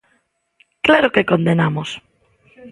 ¡Claro que condenamos!